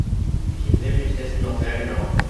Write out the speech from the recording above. Ich entsinne mich dessen noch sehr genau.